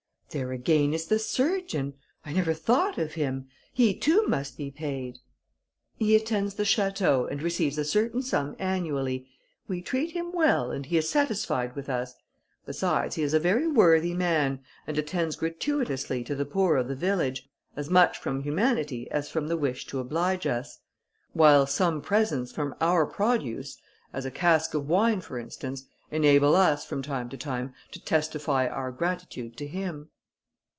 "There, again, is the surgeon! I never thought of him; he, too, must be paid." "He attends the château, and receives a certain sum annually; we treat him well, and he is satisfied with us; besides, he is a very worthy man, and attends gratuitously to the poor of the village, as much from humanity as from the wish to oblige us; while some presents from our produce, as a cask of our wine, for instance, enable us, from time to time, to testify our gratitude to him."